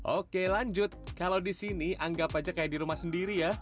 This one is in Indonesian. oke lanjut kalau di sini anggap aja kayak di rumah sendiri ya